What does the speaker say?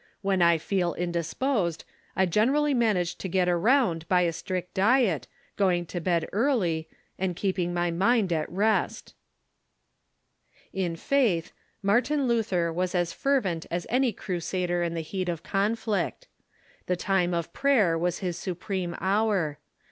When I feel indisposed, I generally manage to get around by a strict diet, going to bed early, and keeping my mind at rest." In faith, Martin Luther was as fervent as any crusader in the heat of conflict. The time of prayer was his supreme hour.